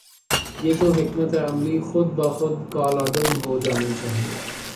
تو یہ حکمت عملی خود بخود کالعدم ہو جا نی چاہیے۔